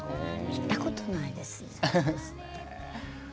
言ったことないですね。